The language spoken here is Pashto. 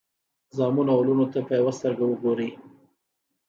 زامنو او لوڼو ته په یوه سترګه وګورئ.